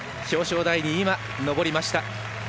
表彰台に上りました。